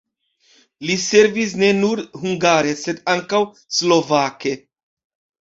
Li servis ne nur hungare, sed ankaŭ slovake.